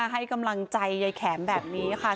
ให้กำลังใจยายแข็มแบบนี้ค่ะ